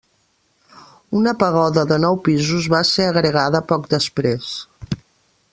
Una pagoda de nou pisos va ser agregada poc després.